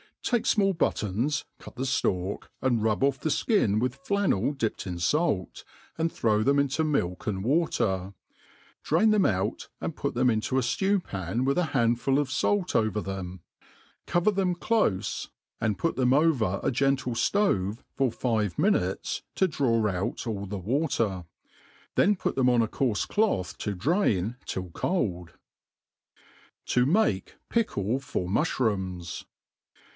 TAKE fmall buttons, cut the ftalk, and rub off the (kin with flannel dipped in fait, and throw them into milk and wa« ters drain them out, and put them into |i ftew pan, with a handful of fait over them \ cover them clofe, and put them T over ^74 THE. ART* QF COOKERY over:a gmitk ftovt for five minutes, to draw out all ike water; then put them on a coarfe.ciuth to drain till coM; To make Pickle for Mujhrooms.